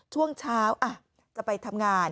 ช่วงเช้าจะไปทำงาน